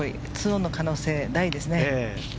２オンの可能性大ですね。